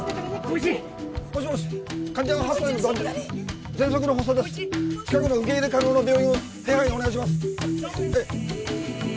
近くの受け入れ可能な病院を手配お願いします